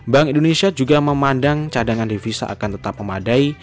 bank indonesia juga memandang cadangan devisa akan tetap memadai